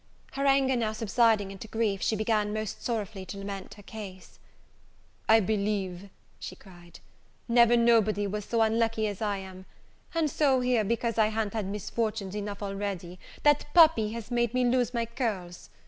Her anger now subsiding into grief, she began most sorrowfully to lament her case. "I believe," she cried, "never nobody was so unlucky as I am! and so here, because I ha'n't had misfortunes enough already, that puppy has made me lose my curls!